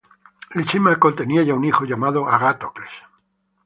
Lisímaco tenía ya un hijo llamado Agatocles.